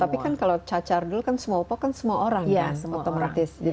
tapi kan kalau cacar dulu kan semua opo kan semua orang ya otomatis